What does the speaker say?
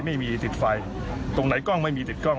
ไม่มีติดไฟตรงไหนกล้องไม่มีติดกล้อง